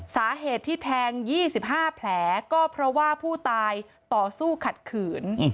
สาเหตุที่แทง๒๕แผลก็เพราะว่าผู้ตายต่อสู้ขัดขืน